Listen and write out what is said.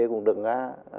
cũng được nga